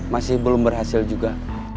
masih belum berhasil juga